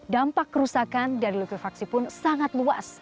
dampak kerusakan dari likuifaksi pun sangat luas